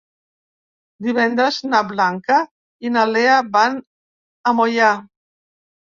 Divendres na Blanca i na Lea van a Moià.